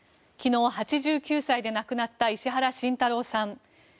昨日、８９歳で亡くなった石原慎太郎さん。